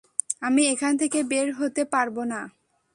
আমি এখান থেকে বের হতে পারবো না।